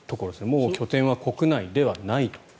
もう拠点は国内ではないと。